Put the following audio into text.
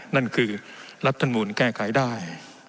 นั่นคือรัฐธรรมนูลแก้ไขได้